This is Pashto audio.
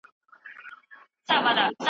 د کار او ارام ترمنځ تل سم توازن مراعات کړئ.